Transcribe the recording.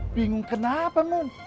bingung kenapa mun